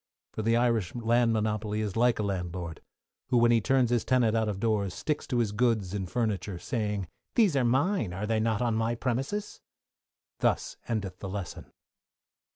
For the Irish land monopoly is like a landlord, who, when he turns his tenant out of doors, stick to his goods and furniture, saying, these are mine, are they not on my premises? Thus endeth the Lesson.